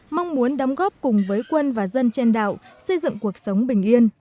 mong muốn đóng góp cùng với quân và dân trên đảo xây dựng cuộc sống bình yên